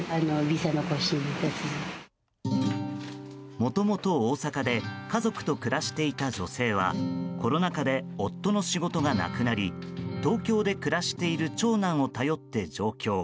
もともと大阪で家族と暮らしていた女性はコロナ禍で夫の仕事がなくなり東京で暮らしている長男を頼って上京。